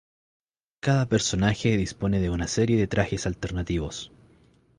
Cada personaje dispone de una serie de trajes alternativos.